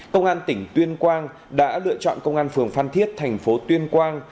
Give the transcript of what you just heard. công an tỉnh tuyên quang đã lựa chọn công an phường phan thiết thành phố tuyên quang